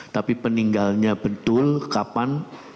tapi peninggalnya betul kapan